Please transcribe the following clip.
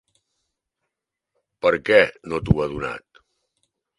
¿Per què no t'ho ha donat?